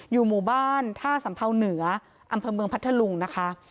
อยู่หมู่บ้านท่าสัมเดรินเนื้ออำพันธุ์เมืองพัทธลุงนะคะ